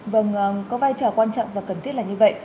vâng có vai trò quan trọng và cần thiết là như vậy